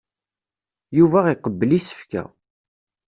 Yuba iqebbel isefka.